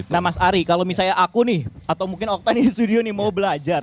nah mas ari kalau misalnya aku nih atau mungkin oktan di studio nih mau belajar